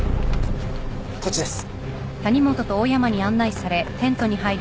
こっちです。